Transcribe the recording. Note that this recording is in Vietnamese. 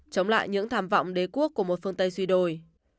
chống lại những tham vọng đế quốc của một phương tây duy đổi